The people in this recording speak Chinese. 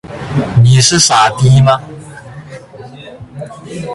你是傻逼吗？